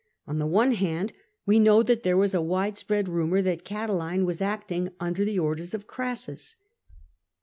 On the one hand, we know that there was a widespread rumour that Catiline was acting under the orders of Crassus.